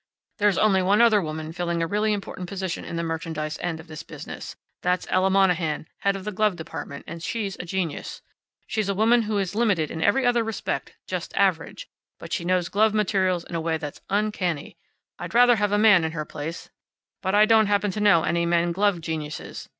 There's only one other woman filling a really important position in the merchandise end of this business. That's Ella Monahan, head of the glove department, and she's a genius. She is a woman who is limited in every other respect just average; but she knows glove materials in a way that's uncanny. I'd rather have a man in her place; but I don't happen to know any men glove geniuses.